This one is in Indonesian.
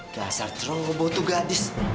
kasar terong ngebotu gadis